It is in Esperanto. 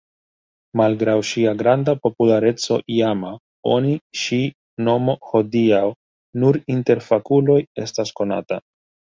Malgraŭ ŝia granda populareco iama oni ŝi nomo hodiaŭ nur inter fakuloj estas konata.